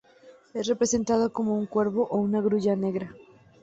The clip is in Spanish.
Es representado como un cuervo o una grulla negra.